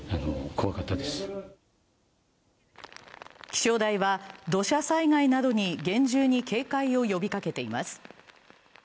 気象台は土砂災害などに厳重に警戒を呼びかけています。